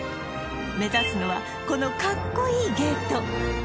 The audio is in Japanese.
目指すのはこのかっこいいゲート！